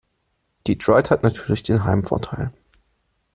Detroit hat natürlich den Heimvorteil.